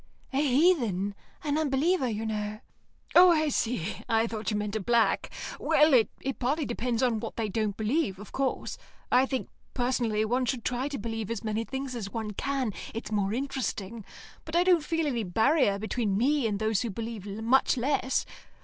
"A heathen. An unbeliever, you know." "Oh, I see. I thought you meant a black. Well, it partly depends on what they don't believe, of course. I think, personally, one should try to believe as many things as one can, it's more interesting; but I don't feel any barrier between me and those who believe much less.